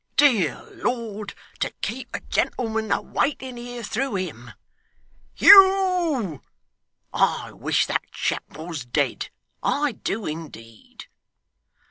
Dear Lord, to keep a gentleman a waiting here through him! Hugh! I wish that chap was dead, I do indeed.